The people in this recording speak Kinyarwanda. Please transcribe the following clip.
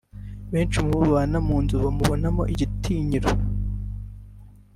Benshi mu bo babana mu nzu bamubonamo igitinyiro